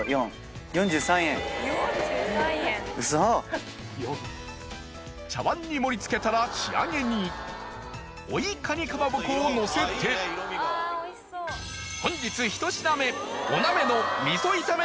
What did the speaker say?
ウソ⁉茶わんに盛り付けたら仕上げに追いカニかまぼこをのせて本日完成！